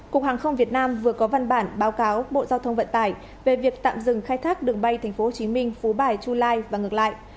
cục hàng không việt nam vừa có văn bản báo cáo bộ giao thông vận tải về việc tạm dừng khai thác đường bay tp hcm phú bài chu lai và ngược lại